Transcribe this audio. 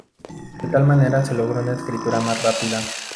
De tal manera se logra una escritura más rápida.